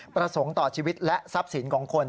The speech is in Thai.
ประสงค์ต่อชีวิตและทรัพย์สินของคน